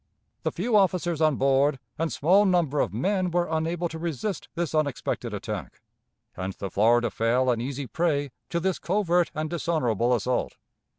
The few officers on board and small number of men were unable to resist this unexpected attack, and the Florida fell an easy prey to this covert and dishonorable assault.